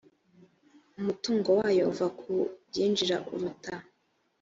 umutungo wayo uva ku byinjira uruta